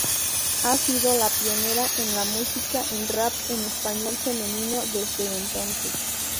Ha sido la pionera en la musica en rap en español femenino desde entonces.